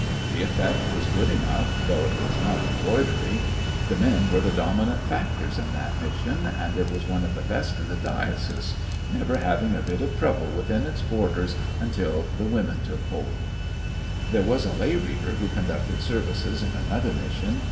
The effect was good enough, though it was not embroidery. The men were the dominant factors in that mission, and it was one of the best in the diocese, never having a bit of trouble within its borders until the women took hold I There was a lay reader who conducted ser Stumbling over ... Tx I J 1 *.*.^^^ Hebrews Vices m another mission.